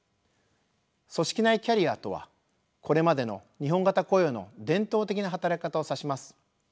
組織内キャリアとはこれまでの日本型雇用の伝統的な働き方を指します。